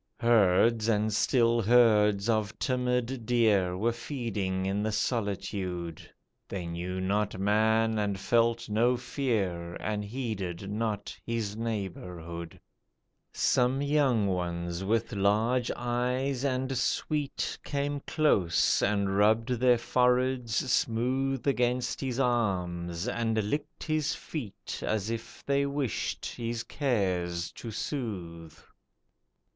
Herds, and still herds, of timid deer Were feeding in the solitude, They knew not man, and felt no fear, And heeded not his neighbourhood, Some young ones with large eyes and sweet Came close, and rubbed their foreheads smooth Against his arms, and licked his feet, As if they wished his cares to soothe.